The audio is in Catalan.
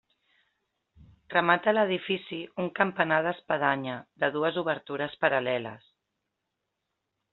Remata l'edifici un campanar d'espadanya de dues obertures paral·leles.